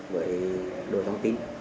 với đồ thông tin